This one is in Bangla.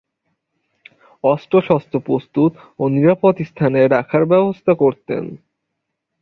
অস্ত্রশস্ত্র প্রস্তুত ও নিরাপদ স্থানে রাখার ব্যবস্থা করতেন।